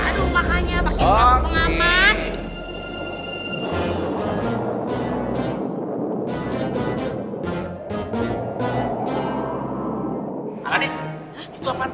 aduh makanya pakai skapu pengamat